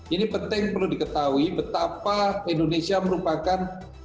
ini penting perlu diketahui betapa indonesia merupakan